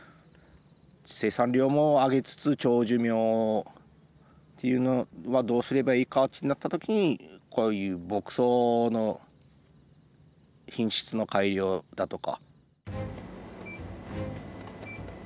生産量も上げつつ長寿命っていうのはどうすればいいかってなった時にこういう牧草の品質の改良だとか。